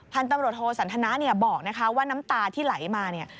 พันธุ์ตำรวจโทสันทนาเนี่ยบอกนะคะว่าน้ำตาที่ไหลมาเนี่ย